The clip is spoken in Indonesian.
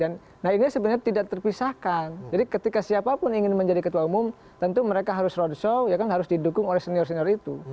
nah ini sebenarnya tidak terpisahkan jadi ketika siapapun ingin menjadi ketua umum tentu mereka harus roadshow ya kan harus didukung oleh senior senior itu